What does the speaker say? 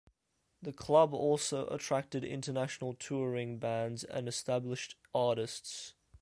The club also attracted international touring bands and established artists.